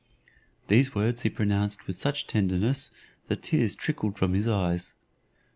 These words he pronounced with such tenderness, that tears trickled from his eyes.